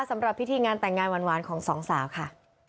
สำหรับพิธีงานแต่งงานหวานของสองสาวค่ะ